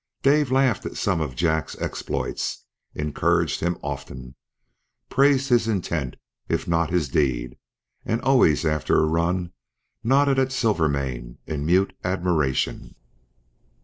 Dave laughed at some of Jack's exploits, encouraged him often, praised his intent if not his deed; and always after a run nodded at Silvermane in mute admiration.